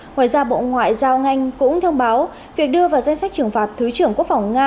ngoài ra bộ ngoại giao nga cũng thông báo việc đưa vào danh sách trừng phạt thứ trưởng quốc phòng nga